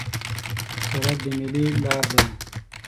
سړک د میلې لار ده.